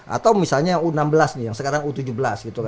atau misalnya u enam belas nih yang sekarang u tujuh belas gitu